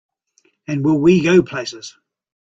And will we go places!